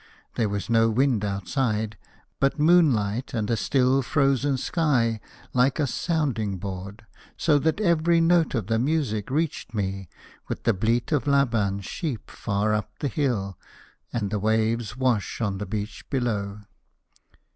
There was no wind outside, but moonlight and a still, frozen sky, like a sounding board: so that every note of the music reached me, with the bleat of Laban's sheep far up the hill, and the waves' wash on the beaches below.